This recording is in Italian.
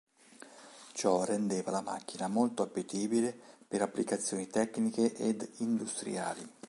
Ciò rendeva la macchina molto appetibile per applicazioni tecniche ed industriali.